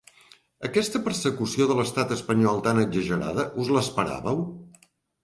Aquesta persecució de l’estat espanyol tan exagerada, us l’esperàveu?